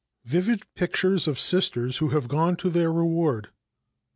"Vivid Pictures of Sisters Who Have Gone to Their Reward."